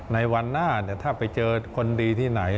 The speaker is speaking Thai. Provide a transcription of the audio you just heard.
ในวันหน้าถ้าไปเจอคนดีที่ไหน